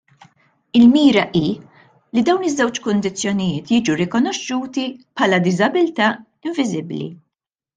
Il-mira hi li dawn iż-żewġ kundizzjonijiet jiġu rikonoxxuti bħala diżabilità inviżibbli.